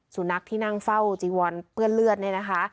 สุนัขที่นั่งเฝ้าจีวอนเปื้อนเลือดเนี่ยนะคะ